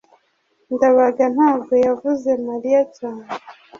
ndabaga ntabwo yavuze mariya cyane